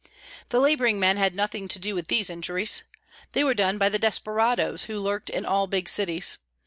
The labouring men had nothing to do with these injuries. They were done by the desperadoes who lurked in all big cities.